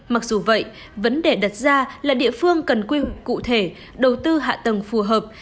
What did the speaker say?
mặc dù vậy vấn đề đặt ra là địa phương cần quy cụ thể đầu tư hạ tầng phù hợp